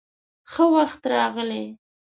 _ښه وخت راغلې.